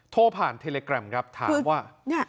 โทรผ่านเทเลแกรมครับถามว่า